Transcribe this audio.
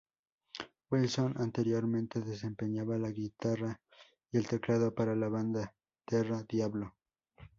Wilson anteriormente desempeñaba la guitarra y el teclado para la banda Terra Diablo.